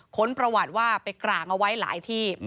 ค้นประวัติว่าไปกลางเอาไว้หลายที่